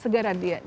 segera dia didorong